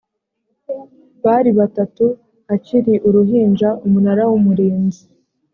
bari batatu akiri uruhinja umunara w’umurinzi